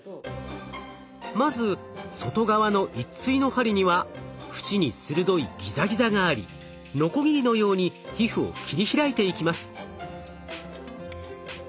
まず外側の一対の針には縁に鋭いギザギザがありノコギリのように皮膚を切り開いていきます。